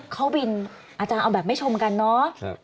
เข้าบินอาจารย์เอาแบบไม่ชมกันเนาะ